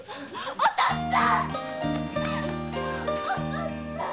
お父っつぁん。